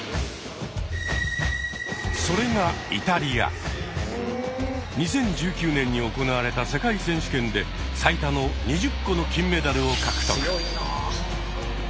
それが２０１９年に行われた世界選手権で最多の２０個の金メダルを獲得。